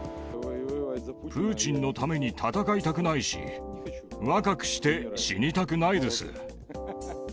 プーチンのために戦いたくないし、若くして死にたくないです。